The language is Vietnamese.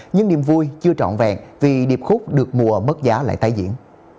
nhưng niềm vui chưa trọn vẹn vì điệp khúc được mùa mất giá lại tái diễn